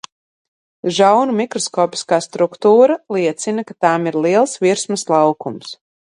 Žaunu mikroskopiskā struktūra liecina, ka tām ir liels virsmas laukums.